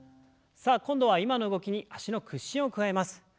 さあ今度は今の動きに脚の屈伸を加えます。